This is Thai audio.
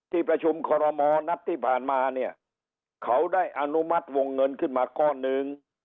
ที่ประชุมคอรมอนัดที่ผ่านมาเนี่ยเขาได้อนุมัติวงเงินขึ้นมาก้อนหนึ่ง